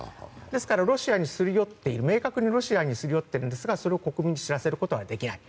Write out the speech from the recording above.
ですから明確にロシアにすり寄っていますがそれを国民に知らせることができない。